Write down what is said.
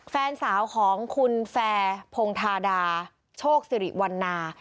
แฟนสาวของคุณแฟร์พงธาดาโชคสิริวันนา